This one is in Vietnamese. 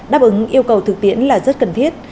đáp ứng yêu cầu thực tiễn là rất cần thiết